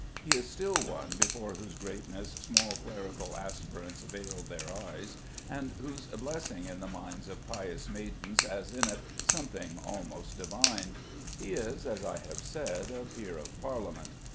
He is still one before whose greatness small clerical aspirants veil their eyes, and whose blessing in the minds of pious maidens has in it something almost divine. He is, as I have said, a peer of Parliament.